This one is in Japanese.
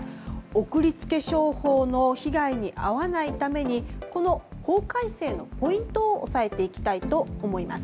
送り付け商法の被害に遭わないためにこの法改正のポイントを抑えていきたいと思います。